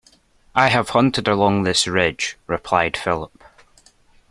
I have hunted along this ridge, replied Philip.